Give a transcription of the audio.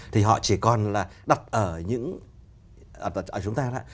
thì họ chỉ còn đặt ở chúng ta